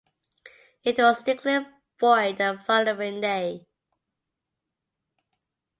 It was declared void the following day.